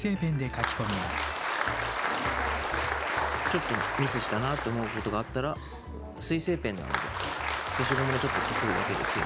ちょっとミスしたなって思うことがあったら水性ペンなので消しゴムでちょっとこするだけで消えます。